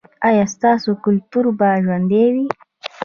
ایا ستاسو کلتور به ژوندی وي؟